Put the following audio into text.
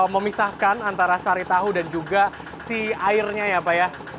memisahkan antara sari tahu dan juga si airnya ya pak ya